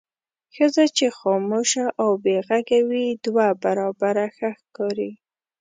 ښځه چې خاموشه او بې غږه وي دوه برابره ښه ښکاري.